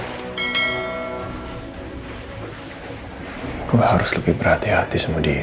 aku harus lebih berhati hati sama dia